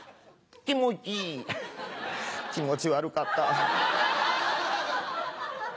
気持ち悪かった。